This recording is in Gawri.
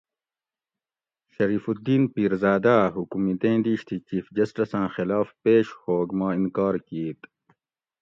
شریف الدین پیرزاداۤ حکومتیں دیش تھی چیف جسٹساۤں خلاف پیش ھوگ ما انکار کیت